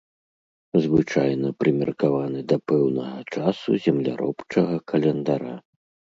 Звычайна прымеркаваны да пэўнага часу земляробчага календара.